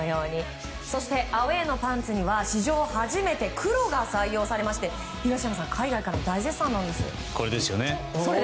そして、アウェーのパンツには史上初めて黒が採用されまして東山さん海外から大絶賛ですよね。